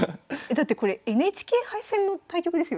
だってこれＮＨＫ杯戦の対局ですよね？